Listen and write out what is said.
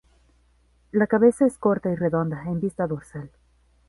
La cabeza es corta y redonda en vista dorsal.